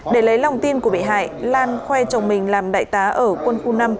để lấy lòng tin của bị hại lan khoe chồng mình làm đại tá ở quân khu năm